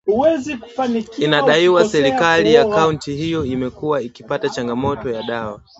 Inadaiwa serikali ya kaunti hiyo imekuwa ikipata changamoto ya dawa